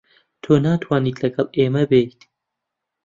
تۆ ناتوانیت لەگەڵ ئێمە بێیت.